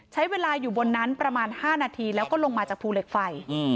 ใช้เวลาอยู่บนนั้นประมาณ๕นาทีแล้วก็ลงมาจากภูเหล็กไฟ